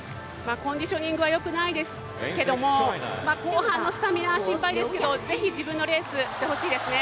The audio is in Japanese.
コンディショニングはよくないですけど後半のスタミナが心配ですけどぜひ自分のレースしてほしいですね。